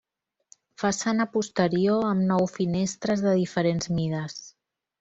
Façana posterior amb nou finestres de diferents mides.